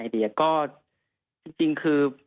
ไอเดียก็จริงคือ